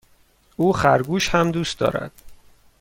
او خرگوش هم دوست دارد.